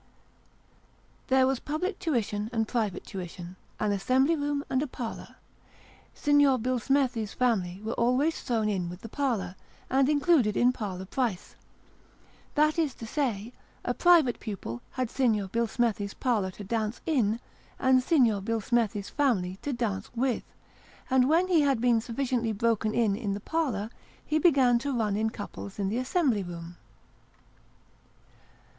There was public tuition and private tuition an assembly room and a parlour. Signor Billsmethi's family were always thrown in with the parlour, and included in parlour price; that is to say, a private pupil had Signor Billsmethi's parlour to dance in, and Signor Billsmethi's family to dance with ; and when ho had been sufficiently broken in in the parlour, he began to run in couples in the assembly room.